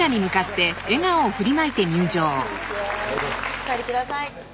お座りください